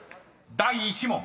第１問］